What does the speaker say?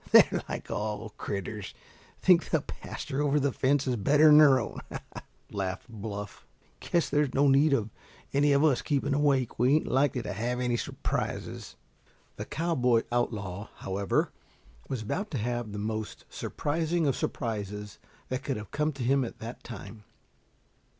"They're like all critters, think the pasture over the fence is better'n their own," laughed Bluff. "Guess there's no need of any of us keeping awake. We ain't likely to have any surprises." The cowboy outlaw, however, was about to have the most surprising of surprises that could have come to him at that time.